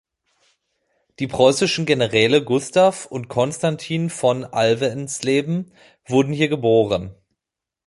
Die preußischen Generäle Gustav und Constantin von Alvensleben wurden hier geboren.